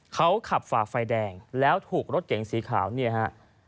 เขาขับฝ่าไฟแดงแล้วถูกรถเก๋งสีขาวเนี่ยฮะ